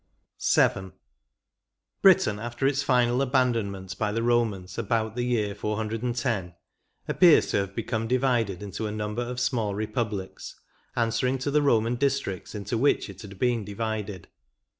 14 VII. Britain, after its final abandonment by the Bomans, about the year 410, appears to have become divided into a number of small republics, answering to the Boman districts into which it had been divided.